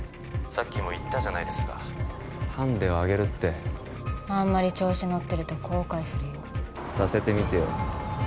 さっきも言ったじゃないですかハンデをあげるってあんまり調子乗ってると後悔するよさせてみてよ